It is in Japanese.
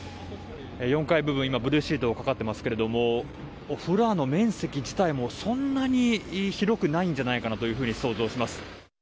４階部分ブルーシートがかかっていますがフロアの面積自体もそんなに広くないんじゃないかなというふうに想像します。